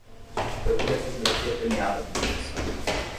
Procure a fotografia premiada na competição